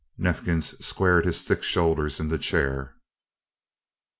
Neifkins squared his thick shoulders in the chair.